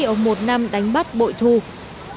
những người dân vùng biển đầu năm gặp thuận lợi là dẫu nhìn